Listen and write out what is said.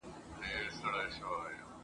نه په میو کي مزه سته نه ساقي نه هغه جام دی ,